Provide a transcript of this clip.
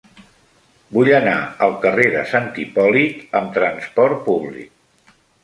Vull anar al carrer de Sant Hipòlit amb trasport públic.